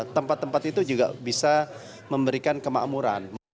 tempat tempat itu juga bisa memberikan kemakmuran